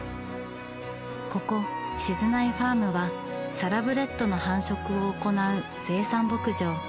ここ静内ファームはサラブレッドの繁殖を行う生産牧場。